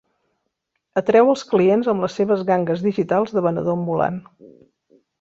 Atreu els clients amb les seves gangues digitals de venedor ambulant.